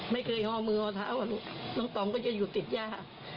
ไม่เคยหอมือหอเท้าลูกน้องต่องก็จะอยู่ติดย่า